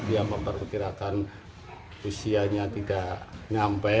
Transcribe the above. dia memperkirakan usianya tidak nyampe